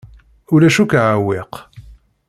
Ulac akk aɛewwiq.